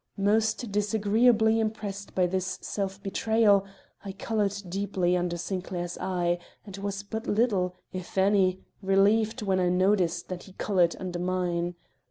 Most disagreeably impressed by this self betrayal, I colored deeply under Sinclair's eye and was but little, if any, relieved when I noticed that he colored under mine.